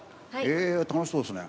映画、楽しそうですね。